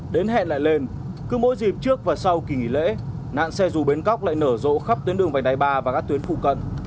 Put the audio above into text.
đến hẹn lại lên cứ mỗi dịp trước và sau kỳ nghỉ lễ nạn xe dù bến cóc lại nở rộ khắp tuyến đường vành đai ba và các tuyến phụ cận